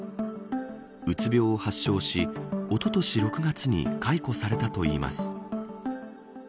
うつ病を発症しおととし６月に解雇されたといいます。